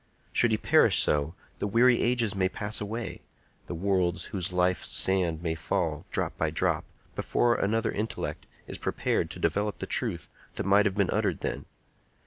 Should he perish so, the weary ages may pass away—the world's, whose life sand may fall, drop by drop—before another intellect is prepared to develop the truth that might have been uttered then.